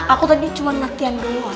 aku tadi cuma latihan dulu